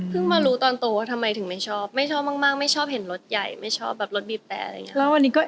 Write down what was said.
มารู้ตอนโตว่าทำไมถึงไม่ชอบไม่ชอบมากไม่ชอบเห็นรถใหญ่ไม่ชอบแบบรถบีบแต่อะไรอย่างนี้ก็